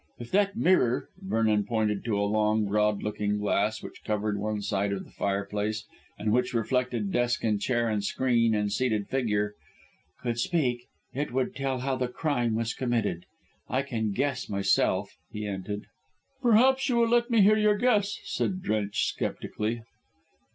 If that mirror" Vernon pointed to a long, broad looking glass which covered one side of the fireplace, and which reflected desk and chair and screen and seated figure "could speak it would tell how the crime was committed. I can guess myself," he ended. "Perhaps you will let me hear your guess," said Drench sceptically.